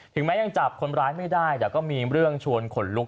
แม้ยังจับคนร้ายไม่ได้แต่ก็มีเรื่องชวนขนลุก